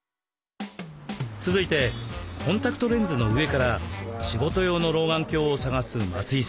続いてコンタクトレンズの上から仕事用の老眼鏡を探す松井さんです。